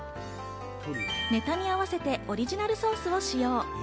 ネタに合わせてオリジナルソースを使用。